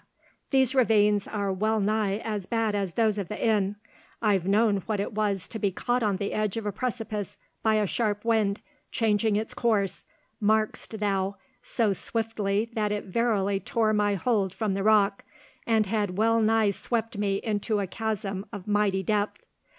these ravines are well nigh as bad as those of the Inn. I've known what it was to be caught on the ledge of a precipice by a sharp wind, changing its course, mark'st thou, so swiftly that it verily tore my hold from the rock, and had well nigh swept me into a chasm of mighty depth.